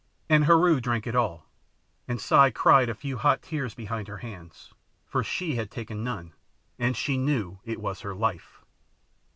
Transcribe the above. And Heru drank it all, and Si cried a few hot tears behind her hands, FOR SHE HAD TAKEN NONE, and she knew it was her life!